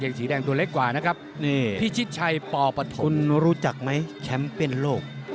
สีแดงตัวเล็กกว่านะครับนี่พิชิดชัยปปทุนรู้จักไหมแชมป์เป็นโลก